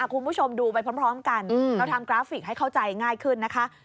คุณผู้ชมดูไปพร้อมกันเราทำกราฟิกให้เข้าใจง่ายขึ้นนะคะ